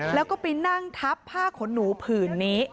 แล้วก็ไปนั่งทับผ้าขนหนูผื่นนี้